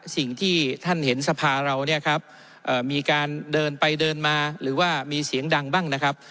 สิ่งที่ท่านเห็นสภาเราเนี่ยครับมีการเดินไปเดินมาหรือว่ามีเสียงดังบ้างนะครับ